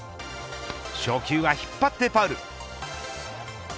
初球は引っ張ってファウル。